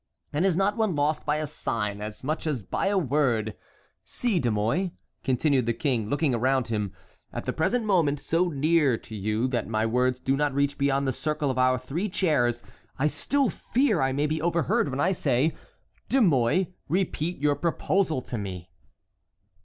and is not one lost by a sign as much as by a word? See, De Mouy," continued the king, looking around him, "at the present moment, so near to you that my words do not reach beyond the circle of our three chairs, I still fear I may be overheard when I say: De Mouy, repeat your proposal to me."